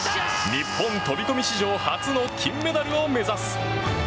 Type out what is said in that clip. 日本飛込史上初の金メダルを目指す。